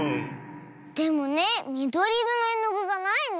でもねみどりいろのえのぐがないの。